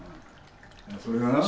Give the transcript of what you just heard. それがな。